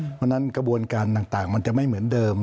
เพราะฉะนั้นกระบวนการต่างมันจะไม่เหมือนเดิม